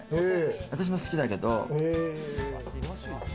私も好きだけど。